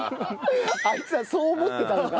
あいつはそう思ってたのか。